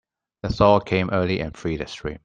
The thaw came early and freed the stream.